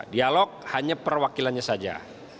dialog hanya perwakilannya saja